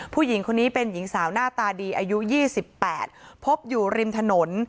ผู้หญิงคนนี้เป็นหญิงสาวหน้าตาดีอายุ๒๘พบอยู่ริมถนน